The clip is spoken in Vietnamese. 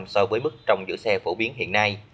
so với mức trong giữ xe phổ biến hiện nay